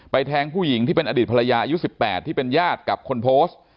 แทงผู้หญิงที่เป็นอดีตภรรยาอายุ๑๘ที่เป็นญาติกับคนโพสต์